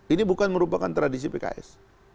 ini bukan merupakan tradisi pks